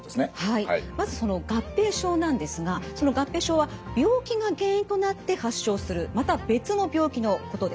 まずその合併症なんですがその合併症は病気が原因となって発症するまた別の病気のことです。